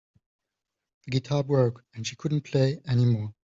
The guitar broke and she couldn't play anymore.